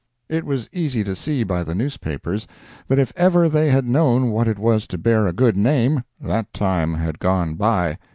It was easy to see by the newspapers, that if ever they had known what it was to bear a good name, that time had gone by.